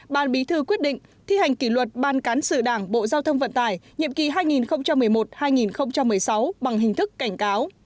ban bí thư quyết định thi hành kỷ luật ban cán sự đảng bộ giao thông vận tải nhiệm kỳ hai nghìn một mươi một hai nghìn một mươi sáu bằng hình thức cảnh cáo